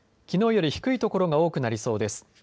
きのうより低いところが多くなりそうです。